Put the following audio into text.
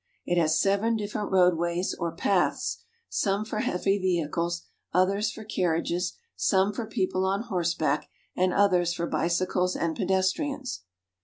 It has seven differ ent roadways or paths, some for heavy vehicles, others for carriages, some for people on horseback, and others for bicycles and pedestrians.